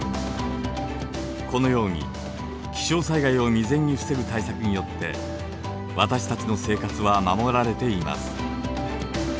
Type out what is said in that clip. このように気象災害を未然に防ぐ対策によって私たちの生活は守られています。